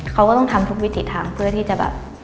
เขาก็ต้องทำทุกวิถีทางเพื่อที่จะแบบ